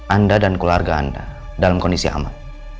anda dan keluarga anda dalam kondisi aman